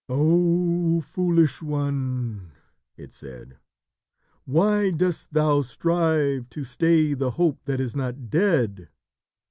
"Oh, foolish one," it said, "why dost thou strive to stay the hope that is not dead?"